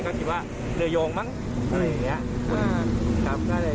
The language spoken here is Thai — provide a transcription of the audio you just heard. ก็คิดว่าเรือโยงมั้งอะไรอย่างนี้